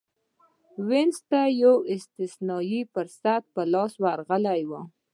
وینز ته یو استثنايي فرصت په لاس ورغلی و.